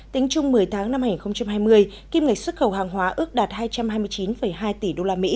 tính chung một mươi tháng năm hai nghìn hai mươi kim ngạch xuất khẩu hàng hóa ước đạt hai trăm hai mươi chín hai tỷ usd